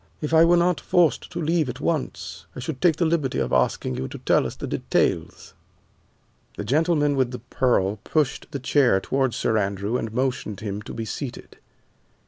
If I were not forced to leave at once, I should take the liberty of asking you to tell us the details." The gentleman with the pearl pushed the chair toward Sir Andrew, and motioned him to be seated.